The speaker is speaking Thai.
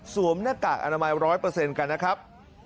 สวมหน้ากากอนามัยร้อยเปอร์เซ็นต์กันนะครับ